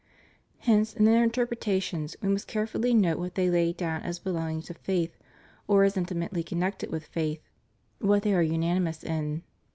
Hence, in their inter pretations, we must carefully note what they lay down as belonging to faith, or as intimately connected with faith — what they are unanimous in.